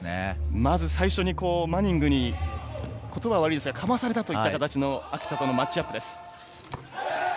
まず最初に、マニングにことばは悪いですがかまされた形の秋田とのマッチアップ。